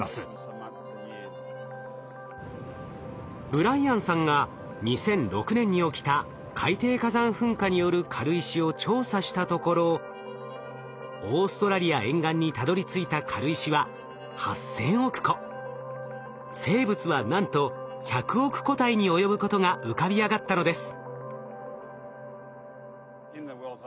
ブライアンさんが２００６年に起きた海底火山噴火による軽石を調査したところオーストラリア沿岸にたどりついた軽石は生物はなんと１００億個体に及ぶことが浮かび上がったのです。